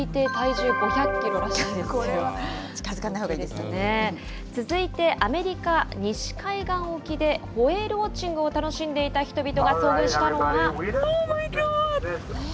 これは近づかないほうがいい続いてアメリカ西海岸沖で、ホエールウォッチングを楽しんでいた人々が遭遇したのが。